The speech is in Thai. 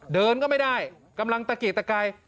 เดินก็ไม่ได้กำลังตะเกียกตะกาย